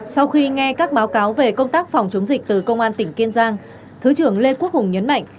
sau khi nghe các báo cáo về công tác phòng chống dịch từ công an tỉnh kiên giang thứ trưởng lê quốc hùng nhấn mạnh